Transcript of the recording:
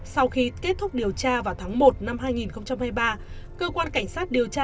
sau khi kết thúc điều tra vào tháng một năm hai nghìn hai mươi ba cơ quan cảnh sát điều tra